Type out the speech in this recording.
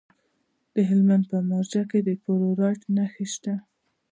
د هلمند په مارجه کې د فلورایټ نښې شته.